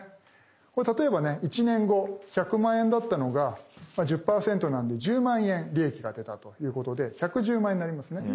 これ例えばね１年後１００万円だったのが１０％なので１０万円利益が出たということで１１０万円になりますね。